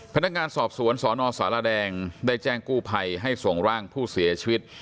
พนักงานสอบสวนสนสารแดงได้แจ้งกู้ภัยให้ส่งร่างผู้เสียชีวิต